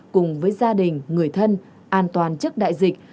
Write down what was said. cùng với gia đình người thân an toàn trước đại dịch